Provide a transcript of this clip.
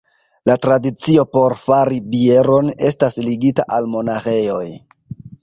La tradicio por fari bieron estas ligita al monaĥejoj.